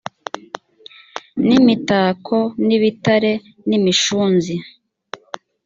n imitako n ibitare n imishunzi